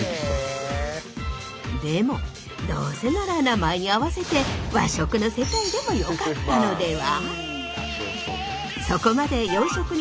でもどうせなら名前に合わせて和食の世界でもよかったのでは？